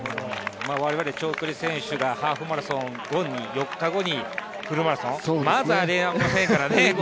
我々長距離選手がハーフマラソンの４日後にフルマラソンを走るというのはまずはありえませんからね。